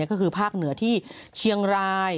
ก็คือภาคเหนือที่เชียงราย